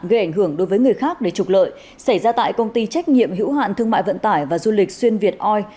gây ảnh hưởng đối với người khác để trục lợi xảy ra tại công ty trách nhiệm hữu hạn thương mại vận tải và du lịch xuyên việt oi